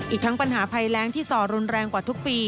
อีกทั้งปัญหาภัยแรงที่ส่อรุนแรงกว่าทุกปี